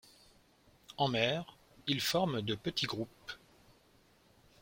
En mer, il forme de petits groupes.